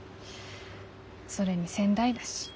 それに仙台だし。